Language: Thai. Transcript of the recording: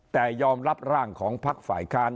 แต่ยอมรับร่างของพักฝ่ายค้าน